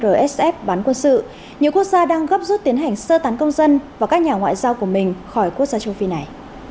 rsf bán quân sự nhiều quốc gia đang gấp rút tiến hành sơ tán công dân và các nhà ngoại giao của mình khỏi quốc gia trung phi này